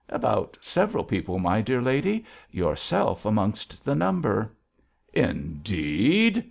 'About several people, my dear lady; yourself amongst the number.' 'Indeed!'